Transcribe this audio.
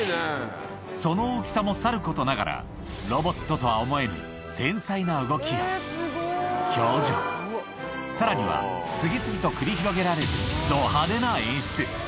その大きさもさることながら、ロボットとは思えぬ繊細な動きや表情、さらには次々と繰り広げられるど派手な演出。